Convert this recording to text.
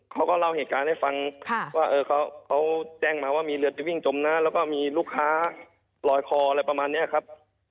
เขาก็เล่าเหตุการณ์ให้ฟังว่าเขาแจ้งมาว่ามีเรือจะวิ่งจมน้ำแล้วก็มีลูกค้าลอยคออะไรประมาณนี้ครับ